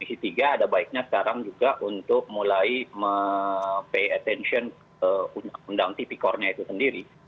komisi tiga ada baiknya sekarang juga untuk mulai pay attention undang undang tipikornya itu sendiri